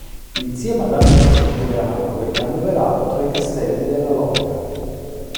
Insieme ad altre strutture analoghe, è annoverato tra i Castelli della Loira.